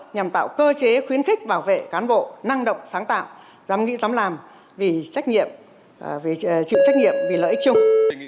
nhằm tạo cơ chế khuyến khích bảo vệ cán bộ năng động sáng tạo dám nghĩ dám làm vì trách nhiệm chịu trách nhiệm vì lợi ích chung